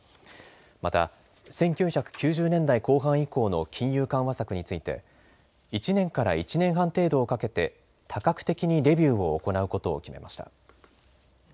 また、１９９０年代後半以降の金融緩和策について１年から１年半程度をかけて多角的にレビューを行うことを決めました。